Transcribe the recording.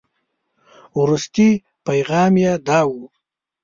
وروستي پيغام یې داو.